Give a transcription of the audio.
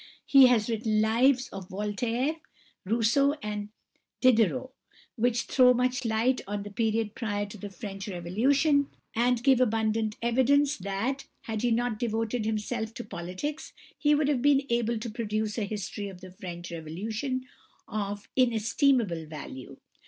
He has written lives of Voltaire, Rousseau, and Diderot, which throw much light on the period prior to the French Revolution, and give abundant evidence that, had he not devoted himself to politics he would have been able to produce a history of the French Revolution of inestimable value.